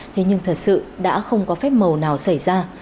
thế nhưng thật sự đã không có phép màu nào xảy ra